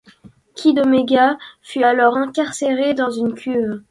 Kid Omega fut alors incarcéré dans une cuve.